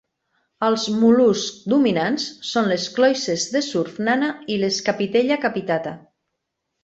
Els mol·luscs dominants són les cloïsses de surf nana i les "capitella capitata".